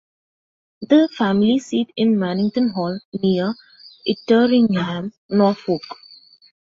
The family seat is Mannington Hall, near Itteringham, Norfolk.